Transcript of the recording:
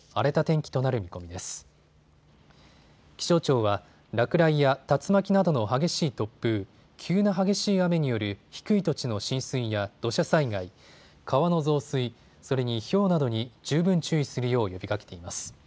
気象庁は落雷や竜巻などの激しい突風、急な激しい雨による低い土地の浸水や土砂災害、川の増水、それにひょうなどに十分注意するよう呼びかけています。